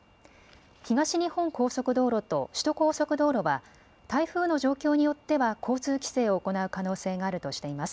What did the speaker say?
東日本高速道路と首都高速道路は台風の状況によっては交通規制を行う可能性があるとしています。